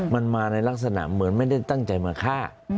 มันมาในลักษณะเหมือนไม่ได้ตั้งใจมาฆ่า